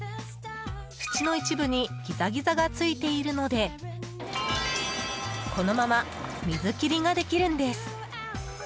縁の一部にギザギザがついているのでこのまま水切りができるんです。